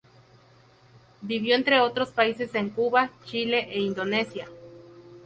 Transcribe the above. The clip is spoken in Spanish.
Vivió entre otros países en Cuba, Chile, e Indonesia.